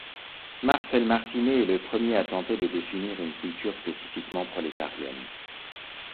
Marcel Martinet est le premier à tenter de définir une culture spécifiquement prolétarienne.